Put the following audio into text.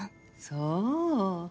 そう。